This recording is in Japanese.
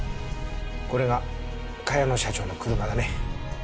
これが茅野社長の車だね。